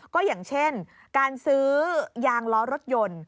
ก็อย่างเช่นการซื้อยางล้อรถยนต์